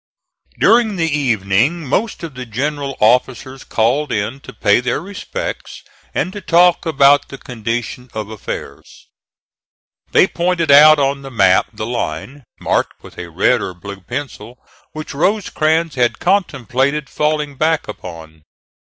During the evening most of the general officers called in to pay their respects and to talk about the condition of affairs. They pointed out on the map the line, marked with a red or blue pencil, which Rosecrans had contemplated falling back upon.